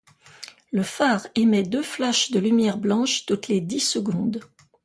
Le phare émet deux flashes de lumière blanche toutes les dix secondes.